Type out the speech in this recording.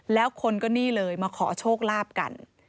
แล้วคนก็นี่เลยมาขอโชคลาภกัน